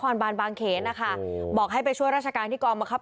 เขาจะเปิดบอลเขาจะเล่นกันนะครับ